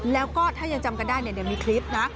แล้วก็ถ้ายังจำกันได้เดี๋ยวมีคลิปนะ